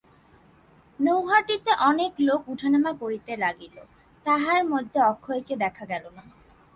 নৈহাটিতে অনেক লোক উঠানামা করিতে লাগিল, তাহার মধ্যে অক্ষয়কে দেখা গেল না।